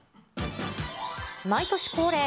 毎年恒例、